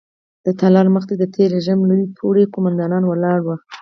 د تالار مخې ته د تېر رژیم لوړ پوړي قوماندان ولاړ وو.